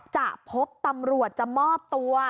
จะพบตำรวจจะมอบตัว